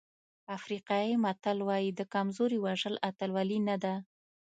افریقایي متل وایي د کمزوري وژل اتلولي نه ده.